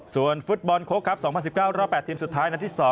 ส่วนฟุตบอลโค้กครับ๒๐๑๙รอบ๘ทีมสุดท้ายนัดที่๒